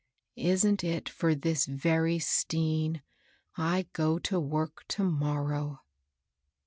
" Isn't it for this very Stean I go to work to morrow